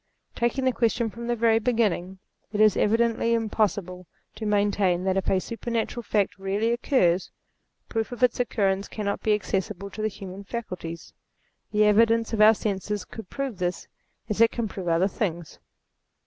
Taking the question from the very beginning ; it is evidently impossible to maintain that if a super natural fact really occurs, proof of its occurrence cannot be accessible to the human faculties. The evidence of our senses could prove this as it can prove other things.